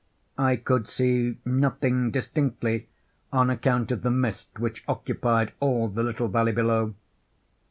I could see nothing distinctly on account of the mist which occupied all the little valley below.